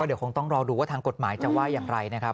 เดี๋ยวคงต้องรอดูว่าทางกฎหมายจะว่าอย่างไรนะครับ